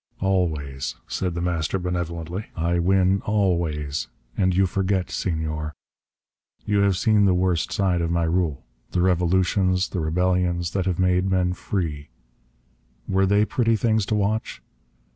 "Always," said The Master benevolently. "I win always. And you forget, Senor. You have seen the worst side of my rule. The revolutions, the rebellions that have made men free, were they pretty things to watch?